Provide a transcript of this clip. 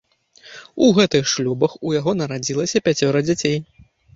У гэтых шлюбах у яго нарадзілася пяцёра дзяцей.